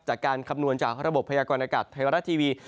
จากการคำนวณจากระบบพยากรณ์อากาศไทยวรัฐทีวี